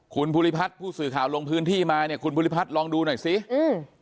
คุณภูริพัฒน์ผู้สื่อข่าวลงพื้นที่มาเนี่ยคุณภูริพัฒน์ลองดูหน่อยสิอืม